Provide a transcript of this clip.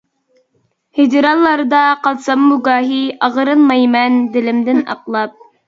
ھىجرانلاردا قالساممۇ گاھى، ئاغرىنمايمەن دىلىمدىن ئاقلاپ.